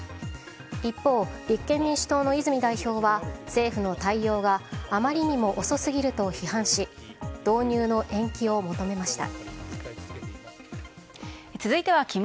一方、立憲民主党の泉代表は政府の対応があまりにも遅すぎると批判し導入の延期を求めました。